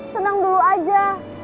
iya cit tenang dulu aja